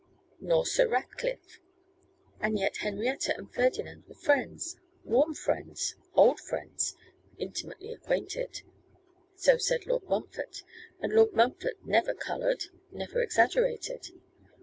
Nor Sir Ratcliffe. And yet Henrietta and Ferdinand were friends, warm friends, old friends, intimately acquainted: so said Lord Montfort, and Lord Montfort never coloured, never exaggerated.